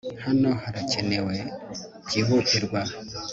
hano harakenewe byihutirwa